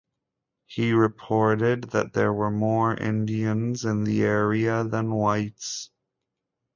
He reported that there were more Indians in the area then than whites.